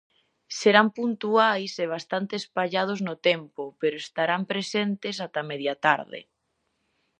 Serán puntuais e bastante espallados no tempo, pero estarán presentes ata media tarde.